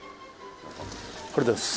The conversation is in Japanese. これです。